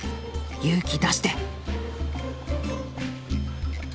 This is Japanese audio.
勇気出して！